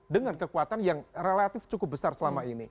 dengan kekuatan yang relatif cukup besar selama ini